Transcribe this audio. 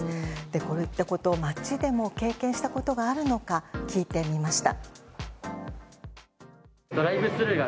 こういったこと街でも経験したことがあるのか聞いてみました。